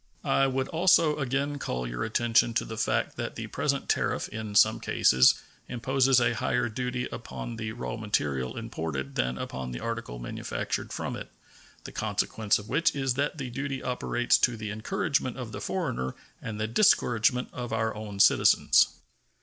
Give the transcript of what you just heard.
I would also again call your attention to the fact that the present tariff in some cases imposes a higher duty upon the raw material imported than upon the article manufactured from it, the consequence of which is that the duty operates to the encouragement of the foreigner and the discouragement of our own citizens.